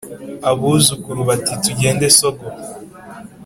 abuzukuru bati tugende sogo